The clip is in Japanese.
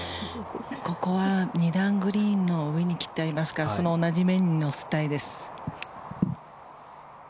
ここは２段グリーンの上に切ってありますから同じ面に乗せたいです。